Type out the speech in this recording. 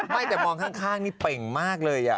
ไม่แต่มองข้างนี่เป่งมากเลย